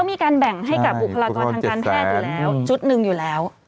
บุคลากรทางการแพทย์ด้วยแล้วจุดหนึ่งอยู่แล้ว